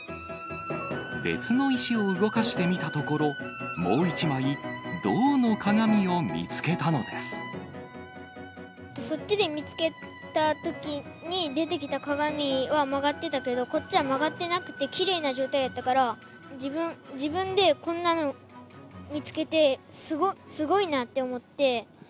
別の石を動かしてみたところ、もう１枚、銅の鏡を見つけたのでそっちで見つけたときに出てきた鏡は曲がってたけど、こっちは曲がってなくて、きれいな状態やったから、自分でこんなの見つけて、すごいなと思って。